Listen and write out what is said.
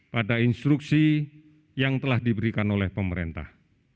pada instruksi yang telah diberikan oleh pemerintah